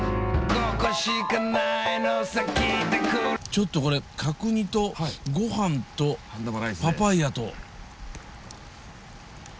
ちょっとこれ角煮とご飯とパパイヤと。